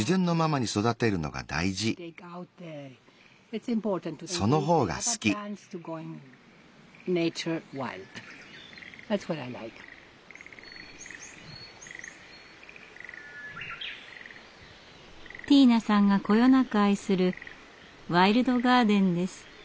ティーナさんがこよなく愛するワイルドガーデンです。